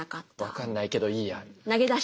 「分かんないけどいいや」。